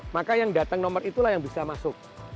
maka yang datang nomor itulah yang bisa masuk